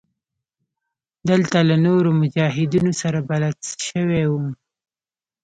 دلته له نورو مجاهدينو سره بلد سوى وم.